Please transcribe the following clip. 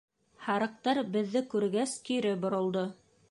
Һарыҡтар, беҙҙе күргәс, кире боролдо.